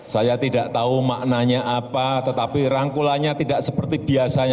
saya tidak tahu maknanya apa tetapi rangkulannya tidak seperti biasanya